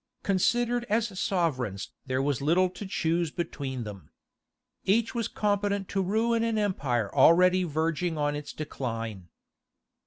Considered as sovereigns there was little to choose between them. Each was competent to ruin an empire already verging on its decline.